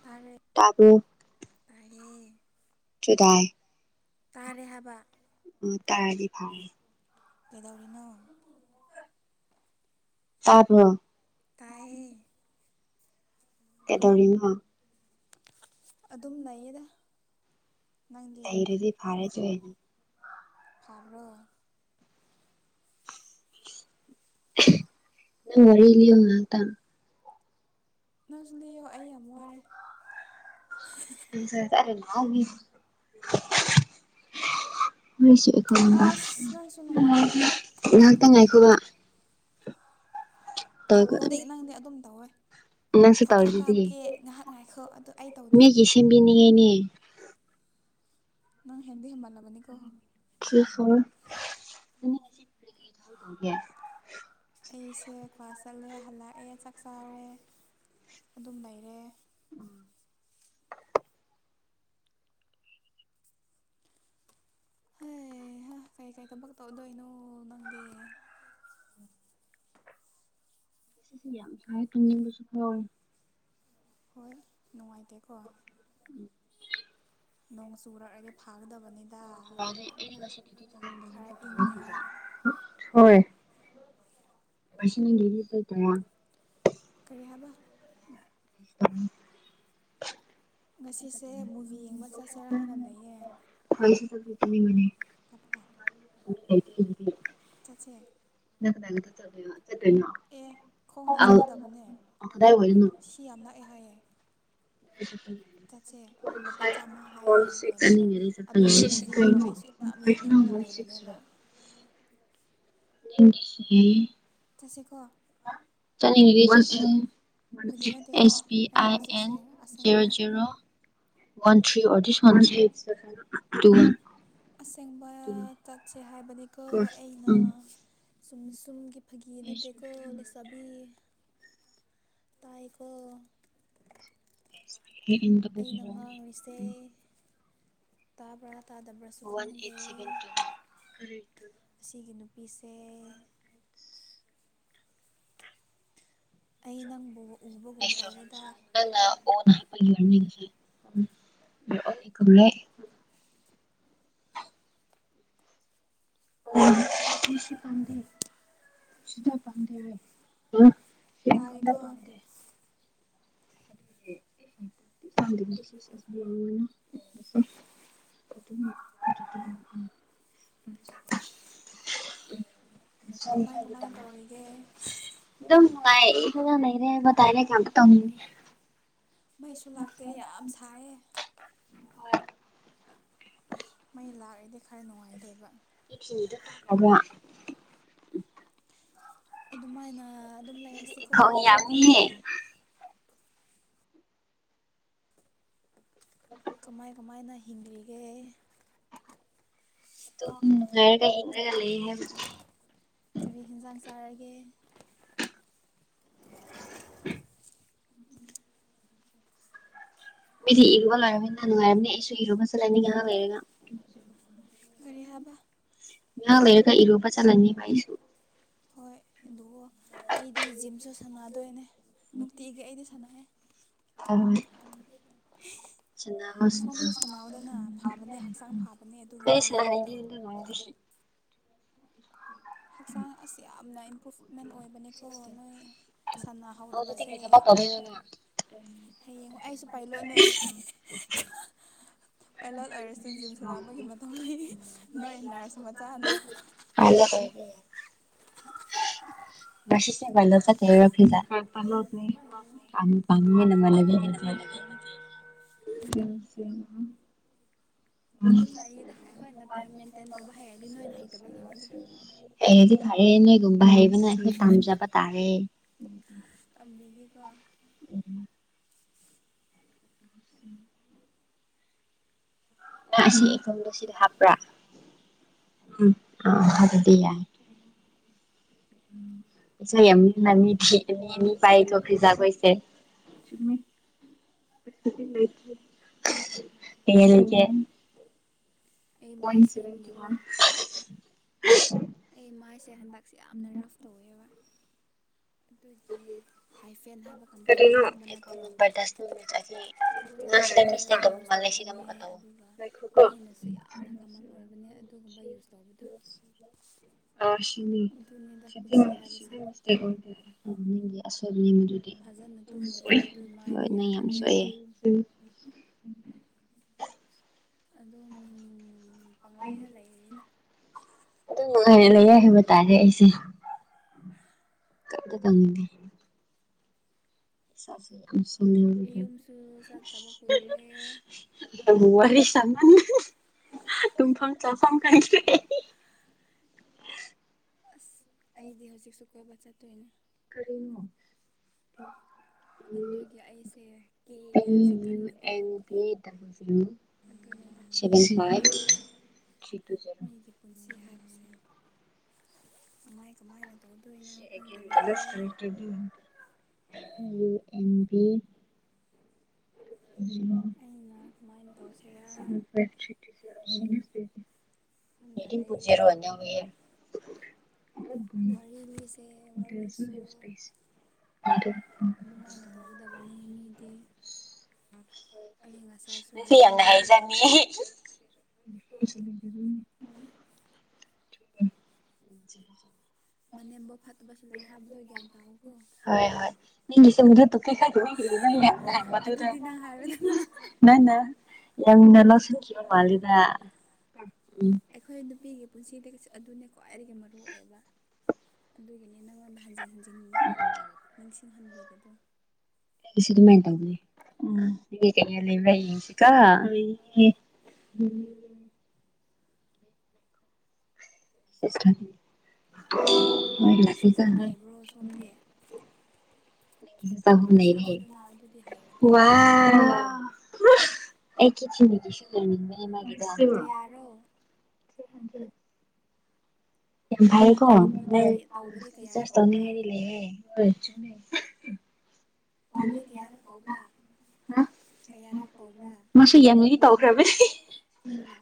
ꯇꯥꯔꯦ ꯇꯥꯕ꯭ꯔꯣ ꯇꯥꯢꯌꯦ ꯆꯗꯥꯏ [unintelligible] ꯇꯥꯔꯦ ꯍꯥꯏꯕ ꯑꯝ ꯇꯔꯥꯗꯤ ꯐꯟ ꯀꯩꯗꯧꯔꯤꯅꯣ ꯇꯥꯕ꯭ꯔꯣ ꯇꯥꯏꯌꯦ ꯀꯩꯗꯧꯔꯤꯅꯣ ꯑꯗꯨꯝ ꯂꯩꯌꯦꯗ ꯂꯩꯔꯗꯤ ꯐꯔꯦꯁꯦ ꯐꯥꯕ꯭ꯔꯣ ꯋꯥꯔꯤ ꯂꯤꯌꯣ ꯉꯥꯛꯇꯪ ꯅꯪꯁꯨ ꯂꯩꯌꯣ ꯑꯩ ꯌꯥꯝ ꯋꯥꯔꯦ ꯔ ꯑꯁ ꯅꯪꯁꯨ ꯅꯨꯡꯉꯥꯏꯇꯦꯍꯦ [unintelligible] [unintelligible] ꯉꯥꯏꯍꯥꯛꯇ ꯉꯥꯏꯈꯣꯒꯣ ꯇꯧꯕ ꯈꯨꯗꯤꯛ ꯅꯪꯗꯤ ꯑꯗꯨꯝ ꯇꯧꯋꯦ ꯅꯪꯁꯨ ꯐꯣꯇꯣ ꯇꯧꯔꯤꯗꯨꯗꯤ ꯀꯥꯞꯀꯦ ꯉꯥꯏꯍꯥꯛ ꯉꯥꯏꯈꯣ ꯑꯗꯨ ꯑꯩ ꯇꯧ ꯃꯤꯒꯤ ꯁꯦꯝꯕꯤꯅꯤꯉꯥꯢꯅꯦ ꯅꯪ ꯍꯦꯟꯗꯤ ꯍꯦꯃꯜꯂꯕꯅꯤ ꯀꯣ ꯒ [unintelligible] [unintelligible] ꯑꯩꯁꯦ ꯀ꯭ꯂꯥꯁ ꯆꯠꯂꯦ ꯍꯜꯂꯛꯑꯦ ꯆꯥꯛ ꯆꯥꯔꯦ ꯑꯗꯨꯝ ꯂꯩꯔꯦ ꯍꯩꯍꯥ ꯀꯩ ꯀꯩ ꯊꯕꯛ ꯇꯧꯗꯣꯏꯅꯣ ꯅꯪꯗꯤ ꯑꯁꯤꯁꯦ ꯌꯥꯝ ꯁꯥꯏ ꯇꯨꯝꯅꯤꯡꯕꯁꯨ ꯐꯥꯎꯋꯦ ꯍꯣꯏ ꯅꯨꯡꯉꯥꯏꯇꯦꯀꯣ ꯅꯣꯡ ꯆꯨꯔꯛꯑꯗꯤ ꯐꯥꯒꯗꯕꯅꯤ ꯑꯦꯗꯤ ꯉꯁꯤꯗꯤ ꯆꯗꯖ ꯈꯔ ꯏꯪꯅꯉꯥꯏ [unintelligible] ꯍꯣꯏ ꯃꯁꯤ [unintelligible] [unintelligible] ꯀꯔꯤ ꯍꯥꯏꯕ ꯎꯝ [inaudible] ꯉꯁꯤꯁꯦ ꯃꯨꯚꯤ ꯌꯦꯡꯕ ꯆꯠꯁꯤꯔꯥ ꯍꯥꯏꯅ ꯂꯩꯌꯦ ꯑꯩꯁꯨ ꯆꯠꯇꯤ ꯆꯠꯅꯤꯡꯕꯅꯦ ꯁꯨꯇꯤ [inaudible] ꯆꯠꯁꯦ ꯅꯪ ꯀꯅꯥꯒ ꯆꯠꯇꯅꯣ [unintelligible] ꯆꯠꯇꯣꯏꯅꯣ ꯑꯦ ꯈꯣꯡꯅ ꯆꯠꯀꯗꯕꯅꯦ ꯑ ꯀꯗꯥꯏꯋꯥꯏꯗꯅꯣ ꯁꯤ ꯌꯥꯝ ꯅꯛꯑꯦ ꯍꯥꯏꯌꯦ ꯆꯠꯁꯦ ꯂꯨꯄꯥ ꯑꯥꯏ ꯆꯥꯝꯃ ꯋꯥꯟ ꯍꯥꯏꯌꯦ ꯁꯤꯛꯁ ꯀꯩꯅꯣꯗꯣ ꯆꯠꯅꯤꯡꯉꯗꯤ ꯆꯠꯄ ꯌꯥꯏ ꯑꯗꯨꯒꯤ ꯁꯤ ꯁꯤ ꯃꯨꯚꯤꯗꯣ ꯀꯩꯅꯣ ꯑꯩꯁꯨ ꯌꯥꯝ ꯑꯥꯏꯐꯣꯟ ꯌꯦꯡꯅꯤꯡꯔꯒ ꯅꯣꯏ ꯁꯤꯛꯁ ꯔ ꯂꯩꯕꯅꯦꯕ [unintelligible] ꯅ ꯁꯤꯌꯦ [unintelligible] ꯆꯠꯁꯦꯀꯣ ꯆꯠꯅꯤꯡꯉꯗꯤ ꯆꯠꯁꯦ ꯐꯥꯒꯤ ꯅꯠꯇꯦꯀꯣ ꯑꯦꯁ ꯄꯤ ꯑꯩ ꯑꯥꯏ ꯑꯦꯟ ꯍꯧꯖꯤꯛꯁꯦ ꯖꯦꯔꯣ ꯑꯁꯦꯡꯕꯅꯦ zero one three or this one G two one ꯑꯁꯦꯡꯕ ꯇꯨ ꯆꯠꯁꯦ ꯍꯥꯏꯕꯅꯤꯀꯣ ꯑꯩꯅ ꯁꯨꯝ ꯁꯨꯝꯒꯤ ꯐꯥꯒꯤ ꯅꯠꯇꯦꯀꯣ ꯂꯩꯁꯕꯤ ꯇꯥꯏ ꯀꯣ ꯑꯦꯏꯟꯗ [unintelligible] ꯑꯩꯅ ꯉꯥꯡꯔꯤꯁꯦ ꯇꯥꯕ꯭ꯔꯥ ꯇꯥꯗꯕ꯭ꯔꯁꯨ ꯋꯥꯟ ꯑꯩꯠ ꯈꯪꯗꯦ ꯁꯚꯦꯟ ꯇꯨ ꯑꯁꯤꯒꯤ ꯅꯨꯄꯤꯁꯦ ꯑꯩ ꯅꯪꯕꯨ ꯎꯕꯒꯨꯝ ꯇꯧꯔꯦꯗꯥ ꯅꯪꯅ ꯑꯣꯅ ꯍꯥꯏꯄꯩ ꯑꯣꯏꯔꯝꯅꯤ ꯉꯁꯤ ꯋꯤ ꯑꯣꯜ ꯏꯀꯨꯕꯔꯦ [unintelligible] ꯑꯩ ꯁꯤ ꯄꯥꯝꯗꯦ ꯁꯤꯗ ꯄꯥꯝꯗꯦ ꯔꯦꯠ [unintelligible] ꯇꯥꯏꯀꯣ ꯁꯨꯁꯕꯤ ꯌꯥꯅ [unintelligible] ꯑꯗꯨꯔ [unintelligible] ꯎꯝ [inaudible] ꯀꯃꯥꯏ ꯀꯃꯥꯏ ꯇꯧꯔꯤꯒꯦ ꯑꯗꯨꯝ ꯅꯨꯡꯉꯥꯏꯔꯤ ꯐꯝꯃ [unintelligible] ꯂꯩꯔꯦ ꯃꯇꯥꯏꯅꯀꯝ [unintelligible] ꯇꯧꯅꯤꯡ [unintelligible] ꯃꯩꯁꯨ ꯂꯥꯛꯇꯦ ꯌꯥꯝ ꯁꯥꯏꯌꯦ ꯃꯩ ꯂꯥꯛꯑꯗꯤ ꯈꯔ ꯅꯨꯡꯉꯥꯏꯗꯣꯏꯕ ꯄꯤꯊꯤꯅꯤꯗ [unintelligible] ꯑꯃ ꯑꯗꯨꯃꯥꯏꯅ ꯑꯗꯨꯝ ꯂꯩꯔꯁꯤꯀꯣ ꯈꯣꯡ ꯑꯩꯈꯣꯏꯗꯤ ꯌꯥꯝꯃꯤꯍꯦ ꯀꯃꯥꯏ ꯀꯃꯥꯏꯅ ꯍꯤꯡꯂꯤꯒꯦ ꯑꯗꯨꯝ ꯂꯩꯔꯒ ꯍꯤꯡꯂꯒ ꯀꯔꯤ ꯂꯩꯌꯦ ꯀꯔꯤ ꯍꯦꯟꯖꯥꯡ ꯆꯥꯔꯒꯦ ꯎꯝ [unintelligible] ꯃꯤꯗꯤ ꯏꯔꯨꯕ ꯂꯣꯏꯔꯕꯅꯤꯅ ꯅꯨꯡꯉꯥꯏꯔꯝꯅꯦ ꯑꯩꯁꯨ ꯏꯔꯨꯕ ꯆꯠꯂꯅꯤ ꯉꯥꯏꯍꯥꯛ ꯂꯩꯔꯒ ꯀꯔꯤ ꯍꯥꯏꯕ ꯉꯍꯥꯛ ꯂꯩꯔꯒ ꯏꯔꯨꯕ ꯆꯠꯂꯅꯤꯕ ꯑꯩꯁꯨ ꯑꯗꯨꯕꯨ ꯑꯩꯗꯤ ꯖꯤꯝꯁꯨ ꯁꯥꯟꯅꯗꯣꯏꯅꯦ ꯅꯨꯡꯇꯤꯒꯤ ꯑꯩꯗꯤ ꯁꯥꯟꯅꯩꯌꯦ ꯎꯝ ꯁꯅꯋꯣ ꯁꯣꯝꯁꯨ ꯁꯟꯅꯥꯎ ꯁꯥꯟꯅꯧꯗꯅ ꯐꯕꯅꯦ ꯍꯛꯆꯥꯡ ꯐꯕꯅꯦ ꯑꯩ ꯑꯗꯨꯒꯨꯝꯕ ꯌꯥꯎꯕꯗꯣ ꯁꯥꯅꯅꯤꯡꯗꯦ [unintelligible] ꯗꯨꯅꯋꯤꯁꯤ [unintelligible] ꯍꯛꯆꯥꯡ ꯑꯁ ꯌꯥꯝꯅ ꯏꯝꯄ꯭ꯔꯨꯞ ꯃꯦꯟ ꯑꯣꯏꯕꯅꯤꯀꯣ ꯅꯣꯏ ꯁꯥꯟꯅꯍꯧꯗꯕꯁꯦ ꯍꯌꯦꯡ ꯑꯩꯁꯨ ꯄꯥꯏꯂꯣꯠꯅꯦ ꯏꯍ [unintelligible] ꯄꯥꯏꯂꯣꯠ ꯑꯣꯏꯔꯁꯨ ꯖꯤꯝ ꯁꯥꯟꯅꯕꯒꯤ ꯃꯇꯝ ꯂꯩꯅꯤ ꯅꯣꯏ ꯅꯔ꯭ꯁ ꯃꯆꯥꯅ ꯄꯥꯏꯂꯣꯠ ꯑꯣꯏꯕ ꯌꯥꯏ ꯃꯁꯤꯁ ꯄꯂ ꯆ ꯐꯖ ꯄꯥꯡꯝꯅ ꯃ [unintelligible] ꯎꯝ ꯁꯦꯡ ꯑ [unintelligible] ꯍ ꯑꯗꯨꯝ [unintelligible] ꯂꯩꯌꯦꯗ ꯑꯩꯈꯣꯏꯅ ꯇꯥꯏꯝ ꯃꯦꯟꯇꯦꯟ ꯇꯧꯕ ꯍꯩꯔꯗꯤ ꯅꯣꯏꯅ ꯍꯩꯇꯕꯒꯤꯅꯤꯗ ꯍꯩꯔꯗꯤ ꯐꯔꯦ ꯅꯤꯒꯨꯝꯕ ꯍꯥꯏꯕꯅꯦ ꯄꯥꯝꯖꯕ ꯇꯥꯔꯦ ꯇꯝꯕꯤꯒꯦꯀꯣ ꯎꯝ ꯑꯁꯤ ꯏꯐꯝꯗꯣ ꯁꯤꯗ ꯍꯥꯞꯄ꯭ꯔꯥ ꯎꯝ ꯑꯥ ꯍꯥꯏꯕꯗꯤ ꯌꯥꯏ ꯁꯅꯤ [unintelligible] ꯅꯃꯤꯅꯤ ꯄꯥꯏ ꯀꯈꯔꯤꯖꯥ ꯀꯣꯏꯁꯦ ꯍ [unintelligible] ꯑꯩ ꯄꯣꯏꯟ ꯃꯥꯏ ꯁꯚꯦꯟꯇꯤ ꯁꯦꯝꯒꯦꯀꯣ ꯋꯥꯟ ꯑꯩ ꯃꯥꯏꯁꯦ ꯍꯟꯗꯛꯁꯦ ꯌꯥꯝꯅ ꯔꯐ ꯇꯧꯋꯦꯕ ꯑꯗꯨꯒꯤ ꯍꯥꯏꯐꯦꯟ ꯍꯥꯏꯕ ꯀꯝꯄꯅꯤꯗꯣ ꯈꯪꯕ ꯑꯩꯈꯣꯏ ꯅꯠꯇ꯭ꯔꯣ ꯅꯝꯕꯔ ꯗꯁ ꯑꯣ ꯅꯪ ꯁꯤꯗ ꯀꯝꯄꯅꯤꯗꯣ ꯃꯤꯁꯇꯦꯛ ꯇꯧꯕ ꯌꯨꯁ ꯃꯥꯜꯂꯦ ꯁꯤꯗ ꯇꯧꯒꯅꯤ ꯑꯃꯨꯛꯀ ꯇꯧꯑꯣ ꯑꯗꯨꯒ ꯃꯤꯅꯁꯨ ꯌꯥꯝꯅ ꯀꯃꯟ ꯑꯣꯏꯕꯅꯦ ꯑꯗꯨꯒꯨꯝꯕ ꯌꯨꯁ ꯇꯧꯕꯗꯣ ꯑ ꯁꯤꯅꯤ ꯑꯗꯨꯅꯤꯗ ꯁꯤ ꯄꯨꯟꯁꯤ ꯍꯥꯏꯕꯁꯦ [unintelligible] ꯒꯤ ꯑꯁꯅꯤ [unintelligible] ꯌꯦꯡꯕꯗꯨꯗꯤ ꯐꯖꯅ ꯍꯣꯏ ꯇꯨꯝꯗ꯭ꯔꯦ ꯑꯗꯨ ꯃꯥꯏꯗꯤ ꯅꯪ ꯌꯥꯝ ꯌꯥꯗ꯭ꯔꯦ ꯁꯣꯏꯑꯦ ꯑꯗꯨꯝ ꯄꯥꯡꯂꯩꯗ ꯂꯩꯔꯤꯗ ꯑꯗꯨꯝ ꯅꯨꯡꯉꯥꯏꯅ ꯂꯩ ꯍꯥꯏꯕ ꯇꯥꯔꯦ ꯑꯩꯁꯦ ꯀꯗ ꯇꯗꯤ [unintelligible] ꯁꯦ ꯈꯝꯁꯪꯅꯤꯌ ꯂꯩꯦ ꯌꯨꯝꯁꯨ ꯆꯠꯇꯕ ꯀꯨꯏꯔꯦ [unintelligible] ꯅꯪꯒ ꯋꯥꯔꯤ ꯁꯝꯃꯅ [unintelligible] ꯇꯨꯝꯐꯥꯝ ꯆꯥꯐꯝ ꯈꯪꯗ꯭ꯔꯦ ꯑꯁ ꯑꯩꯗꯤ ꯍꯧꯖꯤꯛꯁꯨ ꯀꯣꯏꯕ ꯆꯠꯇꯣꯏꯅꯦ ꯀꯔꯤꯅꯣ ꯎ ꯑꯗꯨꯒꯤ ꯑꯩꯁꯦ ꯀꯦꯔꯦ ꯍꯧꯖꯤꯛ [unintelligible] [unintelligible] ꯑꯗꯨꯅꯦꯗ ꯐ ꯁꯤ ꯇꯨ [unintelligible] ꯃꯤꯒꯤ ꯄꯨꯟꯁꯤ ꯍꯥꯏꯕꯁꯦ ꯀꯃꯥꯏ ꯀꯃꯥꯏꯅ ꯇꯧꯗꯣꯏꯅꯣ ꯈꯪꯗꯔꯦ ꯌ ꯑꯦꯟꯕꯤ [unintelligible] ꯑꯩꯅ ꯀꯃꯥꯏꯅ ꯇꯧꯁꯤꯔꯥ [unintelligible] ꯑꯩꯠꯇꯤꯟ ꯈꯪꯗꯔꯦ ꯇꯨ ꯖꯦꯔꯣ ꯅꯪꯁꯦ ꯋꯥꯔꯤ ꯂꯤꯁꯦ ꯋꯥꯔꯤꯁꯨ ꯑꯗꯨꯃꯥꯏꯅ ꯇꯧꯒꯗꯕꯅꯤ ꯃꯤꯗꯤ ꯑꯩ ꯉꯁꯥꯏꯁꯨ ꯌꯥꯝꯅ ꯍꯥꯏꯕꯤꯕꯗꯣ ꯍꯩꯖꯅꯤ [inaudible] ꯎ [inaudible] ꯃꯅꯦꯝꯕꯣꯛ ꯐꯠꯇꯕꯁꯨ ꯂꯩ ꯍꯥꯏꯕꯗꯣ ꯒ꯭ꯌꯥꯟ ꯇꯥꯎ ꯀꯣ ꯍꯣꯢ ꯍꯣꯏ [unintelligible] [unintelligible] ꯃꯗꯨꯗ ꯑꯗꯨꯗꯤ ꯅꯪ ꯍꯥꯏꯔꯣꯗꯅ ꯅꯪꯅ ꯌꯥꯝꯅ ꯂꯧ ꯁꯟꯈꯤꯕꯈꯤꯕ ꯃꯥꯜꯂꯤꯗ ꯎꯝ ꯑꯩꯈꯣꯏ ꯅꯨꯄꯤꯒꯤ ꯄꯨꯟꯁꯤꯗꯤ ꯑꯗꯨꯅ ꯈ꯭ꯋꯥꯏꯗꯒꯤ ꯃꯔꯨ ꯑꯣꯏꯕ ꯑꯗꯨꯒꯤꯅꯤ ꯅꯪꯉꯣꯟꯗ ꯍꯟꯖꯤꯟ ꯍꯟꯖꯤꯟ ꯅꯤꯡꯁꯤꯡꯍꯟꯕꯤꯔꯦꯗꯣ ꯃꯥꯏꯅꯤ ꯎ ꯀ ꯂꯩꯁꯤ [unintelligible] ꯎ [inaudible] [inaudible] ꯏꯁꯩ ꯁꯛꯄ ꯍꯩꯕ꯭ꯔꯣ ꯁꯣꯝꯒꯤ ꯆꯒꯅꯦ [unintelligible] ꯁꯛꯑꯣꯗꯅ ꯑꯗꯨꯗꯤ ꯍꯩꯔꯗꯤ ꯋꯥ ꯑꯩ ꯆꯃꯤꯁꯨ [unintelligible] ꯎ ꯀꯌꯥꯔꯣ [inaudible] ꯑꯗꯨꯒ ꯀꯩꯅꯣꯗꯤ ꯅꯪ ꯇꯧꯕꯗꯤ ꯀꯌꯥꯔꯛ ꯔꯤꯆꯥꯔꯖ ꯇꯧꯕ꯭ꯔꯥ ꯇꯧꯅꯤꯡꯉꯥꯏꯗꯤ ꯂꯩꯌꯦ ꯇꯧꯕꯗꯤ ꯀꯌꯥꯔꯛ ꯇꯧꯕ꯭ꯔꯥ ꯀꯌꯥꯔꯛ ꯇꯧꯕ꯭ꯔꯥ ꯃꯥꯁꯨ ꯌꯥꯝꯅꯗꯤ ꯄꯨꯟꯅ ꯇꯧꯈ꯭ꯔꯕꯅꯤ ꯄꯨꯟꯅ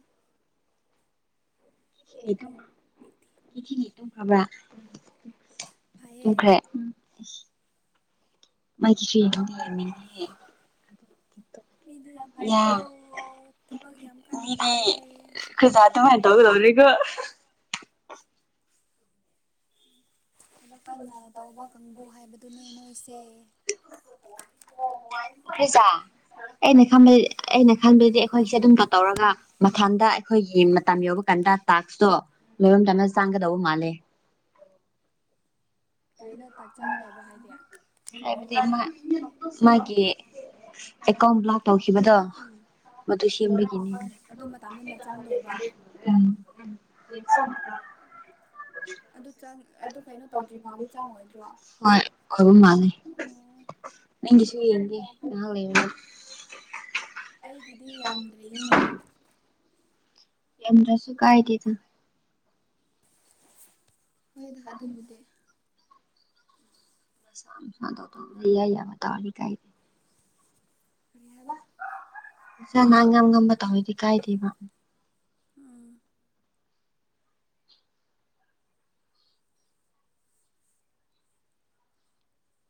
ꯑꯩꯠꯇꯤ [unintelligible] ꯇꯨꯝꯈ꯭ꯔꯕ꯭ꯔꯥ ꯐꯩꯌꯦ ꯇꯨꯝꯈ꯭ꯔꯦ ꯃꯥꯏꯒꯤ [unintelligible] ꯃꯤꯗꯤ ꯌꯥꯝ ꯌꯥ ꯐꯩꯀꯣ ꯊꯕꯛ ꯌꯥꯝ ꯀꯟꯅ ꯇꯧꯋꯦ ꯆꯗ ꯇꯧꯔꯒ [unintelligible] ꯊꯕꯛꯀꯟꯅ ꯇꯧꯕ ꯀꯥꯡꯕꯨ ꯍꯥꯏꯕꯗꯨꯅꯦ ꯅꯣꯏꯁꯦ ꯑꯩꯣ ꯐꯣ [unintelligible] ꯍ ꯍ [unintelligible] ꯑꯩꯅ ꯈꯟ ꯑꯩꯅ ꯈꯟꯕꯗꯤ ꯑꯩꯈꯣꯏꯁꯦ ꯑꯗꯨꯝ ꯇꯧꯔꯒ ꯃꯊꯟꯗ ꯑꯩꯈꯣꯏꯒꯤ ꯃꯇꯝ ꯌꯧꯕ ꯀꯥꯟꯗ ꯇꯥꯥꯛꯁꯇꯣ ꯂꯣꯏꯔꯝꯗꯅ ꯆꯥꯡꯒꯗꯧꯕ ꯃꯥꯜꯂꯦ ꯀꯩꯅꯣ ꯇꯥꯛꯁ ꯆꯪꯒꯗꯧꯕ ꯍꯥꯏꯗꯤ ꯍꯥꯏꯕꯗꯤ ꯃꯥ ꯃꯥꯒꯤ ꯑꯦꯀꯥꯎꯟ ꯕ꯭ꯂꯣꯛ ꯇꯧꯈꯤꯕꯗꯣ ꯎꯝ ꯃꯗꯨ ꯁꯦꯝꯕꯒꯤꯅꯤ ꯑꯗꯣ ꯃꯇꯝꯗꯅ ꯆꯪꯗꯣꯏꯕ ꯎꯝ ꯑꯗꯨ ꯆꯪ ꯑꯗꯨ ꯀꯩꯅꯣ ꯇꯧꯗꯦ ꯍꯣꯢ ꯐꯕ ꯃꯥꯂꯦ ꯑꯣ ꯅꯤꯡ ꯁꯨꯏ ꯏꯦ ꯉ ꯂꯩꯕꯅꯤ ꯑꯩꯒꯤꯗꯤ ꯌꯥꯝꯗ꯭ꯔꯤꯌꯦ [unintelligible] ꯌꯦꯟꯗ꯭ꯔꯁꯨ ꯀꯥꯏꯗꯦꯗ ꯍꯣꯏꯗ ꯑꯗꯨꯕꯨꯗꯤ ꯗꯕꯅꯤ ꯀꯥꯏ [unintelligible] ꯀꯔꯤ ꯍꯥꯏꯕ ꯅꯪꯅ ꯉꯥꯝ ꯉꯥꯝꯕ ꯇꯧꯔꯗꯣ ꯀꯥꯏꯗꯦꯕ ꯎꯝ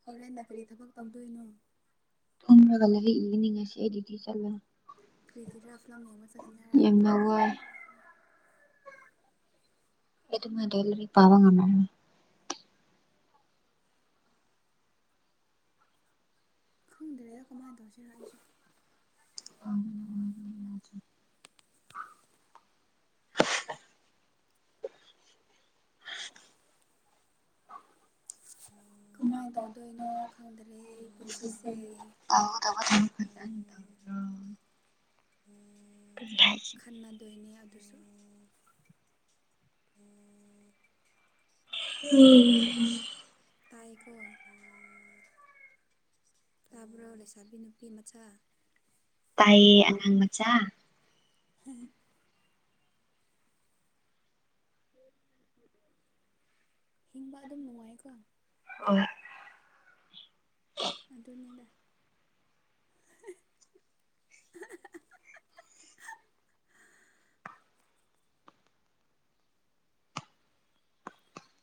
ꯍꯣꯔꯦꯟꯅ ꯀꯔꯤ ꯊꯕꯛ ꯇꯧꯗꯣꯏꯅꯣ ꯎꯒ ꯍꯅꯤ ꯉꯁꯤꯔꯤꯗꯤ ꯆꯜ [unintelligible] ꯀꯔꯤꯒꯤ ꯐꯤꯂꯝ ꯌꯦꯡꯕ ꯆꯠꯒꯅꯤ ꯍꯥꯏꯔꯒ ꯌꯥꯝꯅ ꯋꯥꯏ [unintelligible] ꯗꯦꯂꯤꯗꯤ ꯄꯥꯕꯥ ꯉꯥꯝꯃꯣꯢ ꯈꯪꯗ꯭ꯔꯦꯗ ꯀꯃꯥꯏꯅ ꯇꯧꯁꯤꯔ ꯑꯩꯁꯨ ꯑꯅ ꯋꯥ ꯌꯥ [unintelligible] [inaudible] ꯀꯃꯥꯏꯅ ꯇꯧꯗꯣꯏꯅꯣ [inaudible] ꯈꯪꯗ꯭ꯔꯦ ꯄꯨꯟꯁꯤꯁꯦ [unintelligible] [unintelligible] ꯀꯔꯤ ꯍꯥꯏꯁꯤꯒꯦ ꯈꯟꯅꯗꯣꯏꯅꯦ ꯑꯗꯨꯁꯨ ꯎꯝ [inaudible] ꯎꯝ [inaudible] ꯇꯥꯏ ꯀꯣ ꯇꯥꯕ꯭ꯔꯣ ꯂꯩꯁꯥꯕꯤꯅ ꯅꯨꯄꯤ ꯃꯆꯥ ꯇꯥꯢꯌꯦ ꯑꯉꯥꯡ ꯃꯆꯥ ꯍꯝ [unintelligible] ꯎꯝ [inaudible] ꯍꯤꯡꯕ ꯑꯗꯨꯝ ꯅꯨꯡꯉꯥꯏꯀꯣ ꯍꯣꯢ ꯑꯗꯨꯅꯤꯗ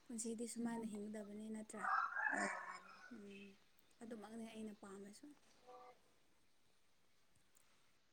ꯄꯨꯟꯁꯤꯗꯤ ꯁꯨꯃꯥꯏꯅ ꯍꯤꯡꯒꯗꯕꯅꯤ ꯅꯠꯇ꯭ꯔꯥ ꯎꯝ ꯑꯗꯨꯃꯛꯅꯦ ꯑꯩꯅ ꯄꯥꯝꯃꯤꯁꯨ